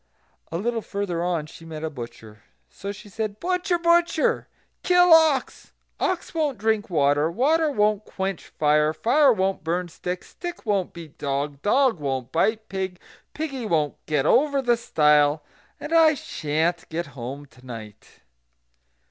A little further on she met a butcher. So she said: "Butcher! butcher! kill ox; ox won't drink water; water won't quench fire; fire won't burn stick; stick won't beat dog; dog won't bite pig; piggy won't get over the stile; and I sha'n't get home to night."